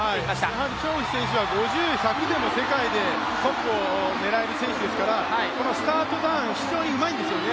やはり張雨霏選手は５０、１００でも世界のトップを狙える選手ですからスタートターン、非常にうまいんですよね。